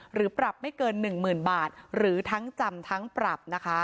หรือปรับไม่เกิน๑๐๐๐บาทหรือทั้งจำทั้งปรับนะคะ